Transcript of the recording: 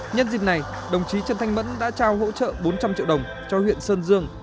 nhân dịp này đồng chí trần thanh mẫn đã trao hỗ trợ bốn trăm linh triệu đồng cho huyện sơn dương